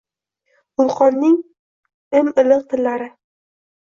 Vulqonning im-iliq tillari.